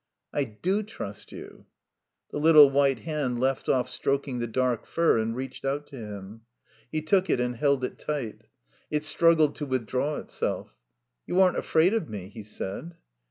"I do trust you." The little white hand left off stroking the dark fur and reached out to him. He took it and held it tight. It struggled to withdraw itself. "You aren't afraid of me?" he said.